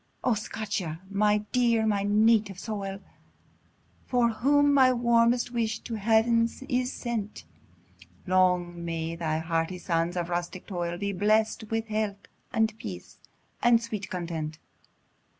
O Scotia! my dear, my native soil! For whom my warmest wish to Heaven is sent, Long may thy hardy sons of rustic toil Be blest with health, and peace, and sweet content!